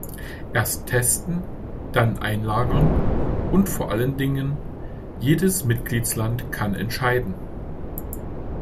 Erst testen, dann einlagern und vor allen Dingen, jedes Mitgliedsland kann entscheiden.